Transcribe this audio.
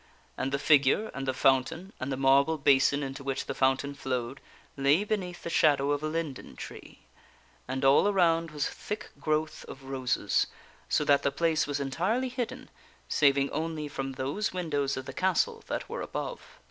And the figure, and the fountain, and the marble basin into which the fountain flowed lay beneath the shadow of a linden tree. And all around was a thick growth of roses, so that the place was entirely hidden, saving only from those windows of the castle that were above.